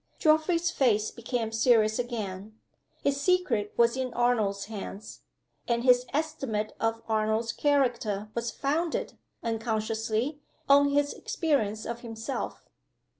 Geoffrey's face became serious again. His secret was in Arnold's hands; and his estimate of Arnold's character was founded, unconsciously, on his experience of himself.